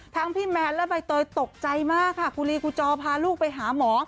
พี่แมนและใบเตยตกใจมากค่ะกูลีกูจอพาลูกไปหาหมอ